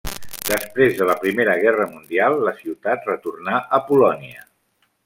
Després de la Primera Guerra Mundial la ciutat retornà a Polònia.